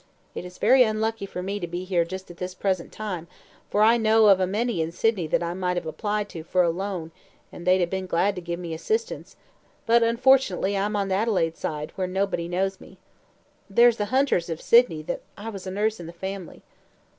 It is very unlucky for me to be here just at this present time, for I know of a many in Sydney that I might have applied to for a little loan, and they'd have been glad to give me assistance; but, unfortunately, I am on the Adelaide side, where nobody knows me. There's the Hunters, of Sydney, that I was nurse in the family."